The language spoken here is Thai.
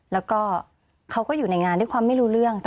แล้วก็เขาก็อยู่ในงานด้วยความไม่รู้เรื่อง